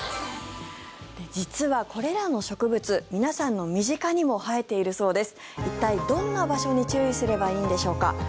実はこれらの植物皆さんの身近にも生えているそうです。